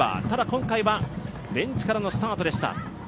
ただ今回は、ベンチからのスタートでした。